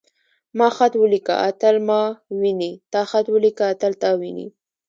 ما خط وليکه. اتل ما ويني.تا خط وليکه. اتل تا ويني.